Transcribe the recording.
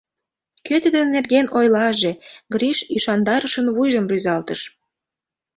— Кӧ тидын нерген ойлаже, - Гриш ӱшандарышын вуйжым рӱзалтыш.